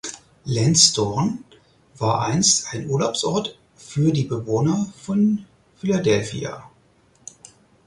Lansdowne war einst ein Urlaubsort für die Bewohner von Philadelphia.